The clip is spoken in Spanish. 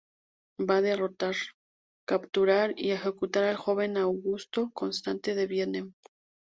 Va a derrotar, capturar y ejecutar al joven augusto Constante en Vienne.